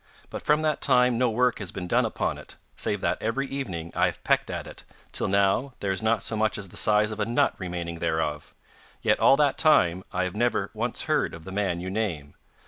But from that time no work has been done upon it, save that every evening I have pecked at it, till now there is not so much as the size of a nut remaining thereof. Yet all that time I have never once heard of the man you name.